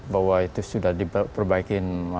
bahwa itu sudah diperbaikin